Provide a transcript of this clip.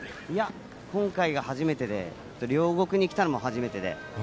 今回が初めてで両国に来たのも初めてで。